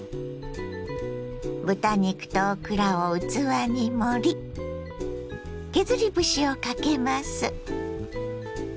豚肉とオクラを器に盛り削り節をかけます。